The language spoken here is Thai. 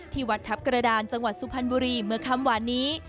ที่วัดทัพกระดานจังหวัดสุพรรณบุรีเมื่อคำหวานนี้